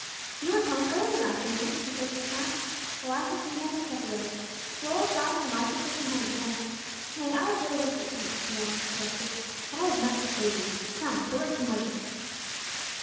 "You are home early, my Phineas," she said, with a smile. "Well, I shall soon have your supper ready. Joel has gone to the market for some honey and " "Nay! I have little wish to eat," he interrupted, "but I have much to say to you. Come! the work can wait."